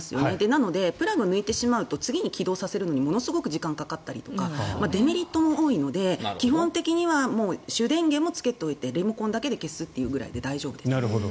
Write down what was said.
なのでプラグを抜いてしまうと次に起動させるのにすごく時間がかかったりとかデメリットも多いので基本的には主電源もつけておいてリモコンだけで消すくらいで大丈夫です。